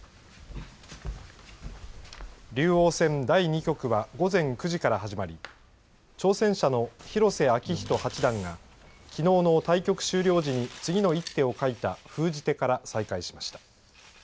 竜王戦第２局は午前９時から始まり挑戦者の広瀬章人八段がきのうの対局終了時に次の一手を書いた封じ手から再開しました。